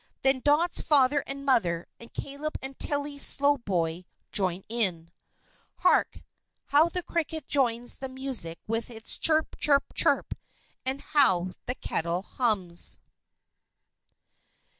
Then Dot's father and mother, and Caleb and Tilly Slowboy join in. Hark! how the cricket joins the music with its chirp! chirp! chirp! and how the kettle hums!